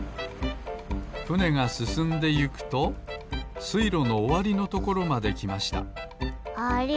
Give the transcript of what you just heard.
ふねがすすんでゆくとすいろのおわりのところまできましたあれ？